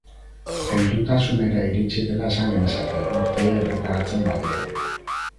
Heldutasunera iritsi dela esan genezake, urteei erreparatzen badiegu.